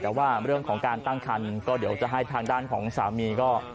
แต่ว่าเรื่องของการตั้งคันก็เดี๋ยวจะให้ทางด้านของสามีก็